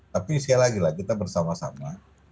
tapi sekali lagi lah kita bersama sama